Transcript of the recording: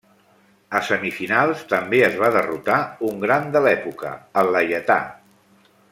A semifinals també es va derrotar un gran de l'època, el Laietà.